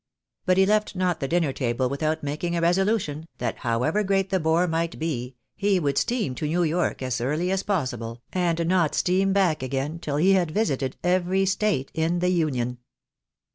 But he left not the dinner table without making a resolution, that however great the bore might be, he would steam to New York as early as possible, and not steam back again till he had visited every state in the Union.